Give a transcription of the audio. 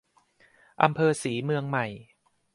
อำเภอศรีเมืองใหม่